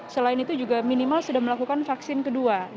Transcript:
selain itu juga minimal sudah melakukan vaksin kedua